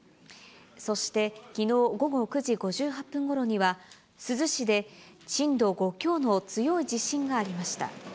そして、きのう午後９時５８分ごろには、珠洲市で震度５強の強い地震がありました。